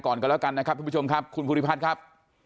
กันแล้วกันนะครับทุกผู้ชมครับคุณภูริพัฒน์ครับ